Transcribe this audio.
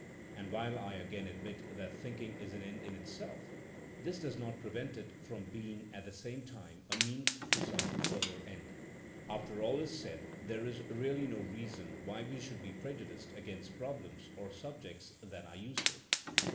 And while I again admit that thinking is an end in itself, this does not prevent it from being at the same time a means to some further end After all is said there is really no reason why we should be prejudiced against problems or subjects that are useful.